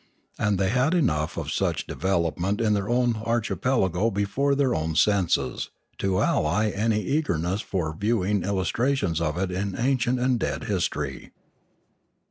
And they had enough of such development in their own archi pelago before their own senses, to allay any eager ness for viewing illustrations of it in ancient and dead history.